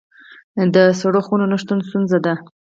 د سړو خونو نشتون ستونزه ده